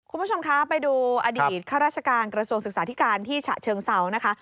คุณผู้ชมคะไปดูอดีตข้าราชการกระทรวงศึกษาธิการที่ฉะเชิงเซานะคะ